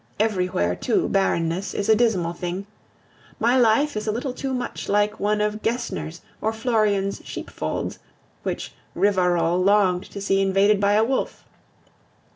Everywhere, too, barrenness is a dismal thing. My life is a little too much like one of Gessner's or Florian's sheepfolds, which Rivarol longed to see invaded by a wolf.